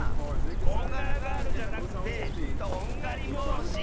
こんがらガールじゃなくてどんがりぼうし！